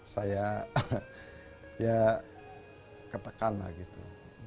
saya ya ketekan lah gitu